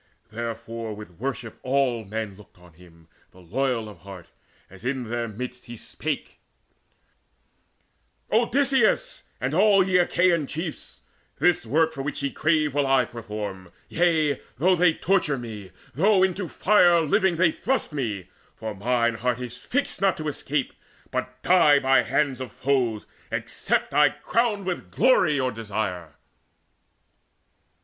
Therefore with worship all men looked on him, The loyal of heart, as in the midst he spake: "Odysseus, and all ye Achaean chiefs, This work for which ye crave will I perform Yea, though they torture me, though into fire Living they thrust me; for mine heart is fixed Not to escape, but die by hands of foes, Except I crown with glory your desire."